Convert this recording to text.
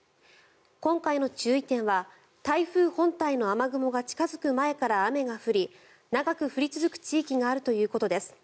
今回の注意点は台風本体の雨雲が近付く前から雨が降り、長く降り続く地域があるということです。